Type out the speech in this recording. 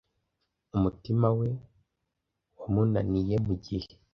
Umutima we wamunaniye mugihe